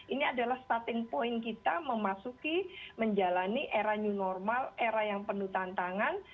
ini adalah starting point kita memasuki menjalani era new normal era yang penuh tantangan